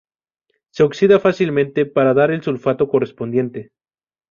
Se oxida fácilmente para dar el sulfato correspondiente.